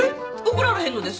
怒られへんのですか？